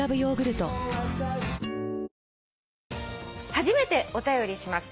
「初めてお便りします。